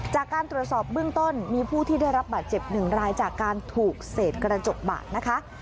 จากการตรวจสอบเบื้องต้นมีผู้ที่ได้รับบาดเจ็บหนึ่งรายจากการถูกเศษกระจกบาดนะคะ